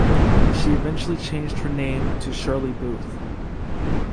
She eventually changed her name to Shirley Booth.